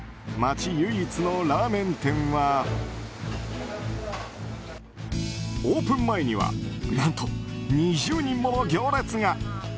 町唯一のラーメン店はオープン前には何と２０人もの行列が。